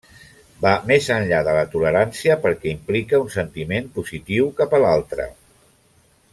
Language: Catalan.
Va més enllà de la tolerància perquè implica un sentiment positiu cap a l'altre.